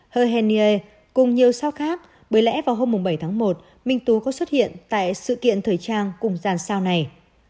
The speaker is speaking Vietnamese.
hơ hèn niê cùng nhiều sao khác bởi lẽ vào hôm bảy tháng một minh tú có xuất hiện tại sự kiện thời trang cùng gian sao này